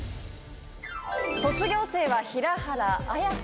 卒業生は平原綾香。